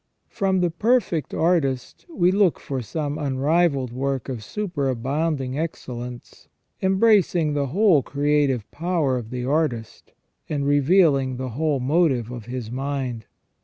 From the perfect artist we look for some unrivalled work of superabounding excellence, embracing the whole creative power of the artist, and revealing the whole motive of his mind.